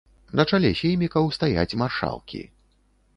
На чале сеймікаў стаяць маршалкі.